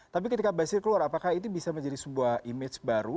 tapi ketika basir keluar apakah itu bisa menjadi sebuah image baru